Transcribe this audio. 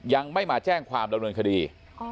ยังไม่มาแจ้งความดำเนินคดี